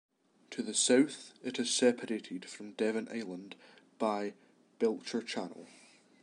To the south, it is separated from Devon Island by Belcher Channel.